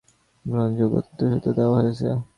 গ্রহণযোগ্য তথ্যসূত্র দেওয়া হয়েছে।